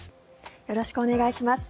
よろしくお願いします。